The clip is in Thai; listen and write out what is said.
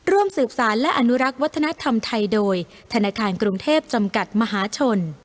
ร่วมสืบสารและอนุรักษ์วัฒนธรรมไทยโดยธนาคารกรุงเทพจำกัดมหาชน